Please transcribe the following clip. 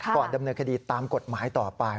ก่อนดำเนินคดีตามกฎหมายต่อไป